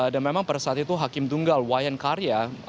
dan memang pada saat itu hakim dunggal wayan karya